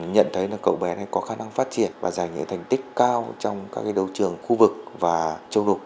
nhận thấy là cậu bé này có khả năng phát triển và giành những thành tích cao trong các đấu trường khu vực và châu lục